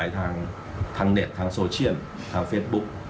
ทางเน็ตทางโซเชียลทางเฟซบุ๊ก